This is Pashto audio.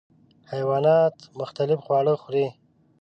حیوانات مختلف خواړه خوري.